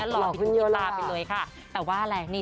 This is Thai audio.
เห็นใดดูผอมไปขนาดนี้